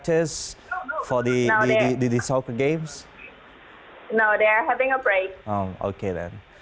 tidak mereka sedang berlatih